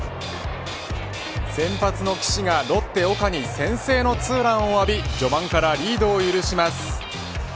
先発の岸がロッテ岡に先制のツーランを浴び序盤からリードを許します。